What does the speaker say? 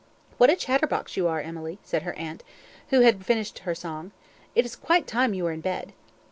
"What a chatterbox you are, Emily," said her aunt, who had finished her song. "It is quite time you were in bed."